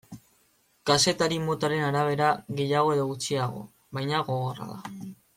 Kazetari motaren arabera gehiago edo gutxiago, baina, gogorra da.